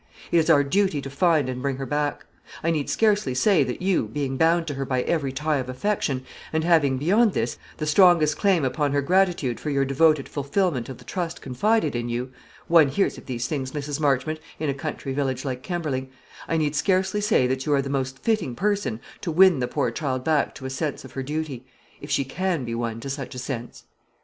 It is our duty to find and bring her back. I need scarcely say that you, being bound to her by every tie of affection, and having, beyond this, the strongest claim upon her gratitude for your devoted fulfilment of the trust confided in you, one hears of these things, Mrs. Marchmont, in a country village like Kemberling, I need scarcely say that you are the most fitting person to win the poor child back to a sense of her duty if she can be won to such a sense."